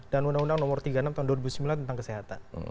undang undang nomor tiga puluh enam tahun dua ribu sembilan tentang kesehatan